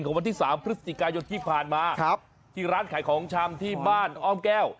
วันที่๓พฤศจิกายนที่ผ่านมาครับที่ร้านขายของชำที่บ้านอ้อมแก้ว